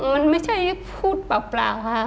มันไม่ใช่พูดเปล่าค่ะ